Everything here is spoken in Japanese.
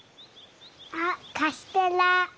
あっカステラ！